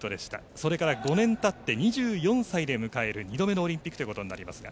それから５年たって２４歳で迎える２度目のオリンピックということになります。